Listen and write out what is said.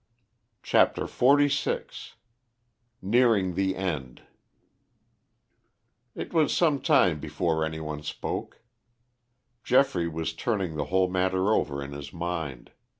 CHAPTER XLVI NEARING THE END It was some time before any one spoke. Geoffrey was turning the whole matter over in his mind.